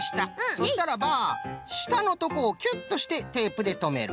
そしたらばしたのとこをキュッとしてテープでとめる。